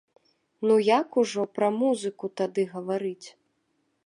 Ну як ужо пра музыку тады гаварыць?